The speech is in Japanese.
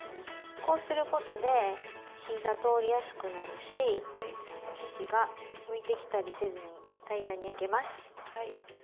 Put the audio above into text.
こうすることで火が通りやすくなるし生地が浮いてきたりせずに平らに焼けます。